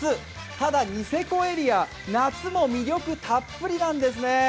ただ、ニセコエリア、夏も魅力たっぷりなんですね。